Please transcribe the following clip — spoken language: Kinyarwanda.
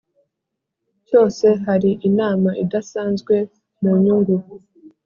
cyose hari inama idasanzwe mu nyungu